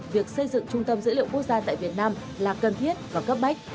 việc xây dựng trung tâm dữ liệu quốc gia tại việt nam là cần thiết và cấp bách